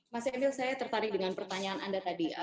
mas emil saya tertarik dengan pertanyaan anda tadi